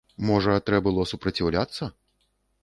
Можа, трэ было супраціўляцца?